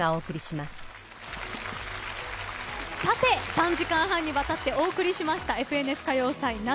３時間半にわたってお送りしました「ＦＮＳ歌謡祭夏」